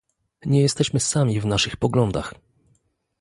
Nie jesteśmy sami w naszych poglądach